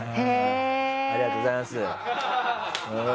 ありがとうございます。